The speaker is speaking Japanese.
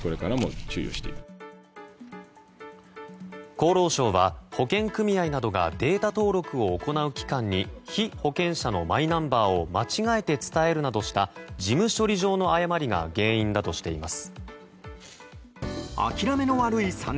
厚労省は保険組合などがデータ登録を行う機関に被保険者のマイナンバーを間違えて伝えるなどした事務処理上の誤りが原因だとしています。